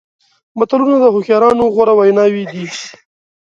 متلونه د هوښیارانو غوره ویناوې دي.